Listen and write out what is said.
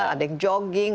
ada yang jogging